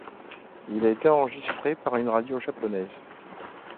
Il a été enregistré par une radio japonaise.